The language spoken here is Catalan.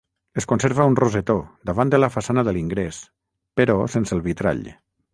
Es conserva un rosetó, davant la façana de l'ingrés, però sense el vitrall.